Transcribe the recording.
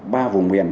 ba vùng huyền